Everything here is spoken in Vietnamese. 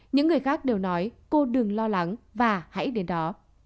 những người khác đều nói cô đừng lo lắng và hãy đến đó